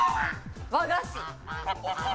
和菓子。